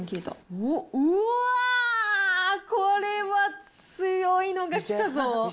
うおっ、うわー、これは強いのがきたぞ。